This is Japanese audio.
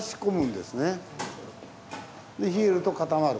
で冷えると固まると。